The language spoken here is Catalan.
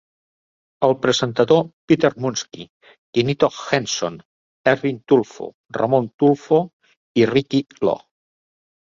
El presentador Peter Musngi, Quinito Henson, Erwin Tulfo, Ramon Tulfo i Ricky Lo.